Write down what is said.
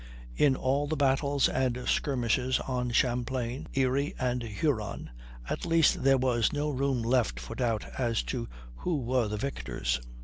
In all the battles and skirmishes on Champlain. Erie, and Huron, at least there was no room left for doubt as to who were the victors.